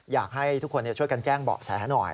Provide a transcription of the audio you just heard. อยากให้ทุกคนช่วยกันแจ้งเบาะแสหน่อย